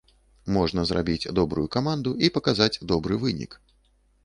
Можна зрабіць добрую каманду і паказаць добры вынік.